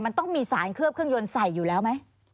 มันต้องมีสารเคลือบเครื่องยนต์ใส่อยู่แล้วไหม